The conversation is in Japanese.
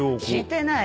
してない。